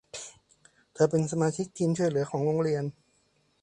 เธอเป็นสมาชิกทีมช่วยเหลือของโรงเรียน